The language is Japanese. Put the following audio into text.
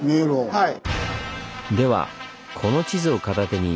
はい。